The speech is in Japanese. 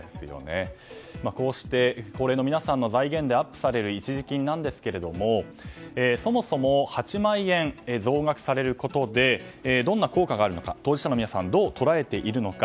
こうして高齢の皆さんの財源でアップされる一時金なんですけれどもそもそも８万円が増額されることでどんな効果があるのか当事者の皆さんはどう捉えているのか。